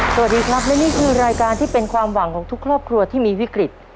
สวัสดีครับและนี่คือรายการที่เป็นความหวังของทุกครอบครัวที่มีวิกฤต